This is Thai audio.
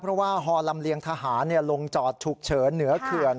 เพราะว่าฮอลำเลียงทหารลงจอดฉุกเฉินเหนือเขื่อน